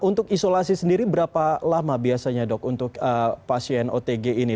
untuk isolasi sendiri berapa lama biasanya dok untuk pasien otg ini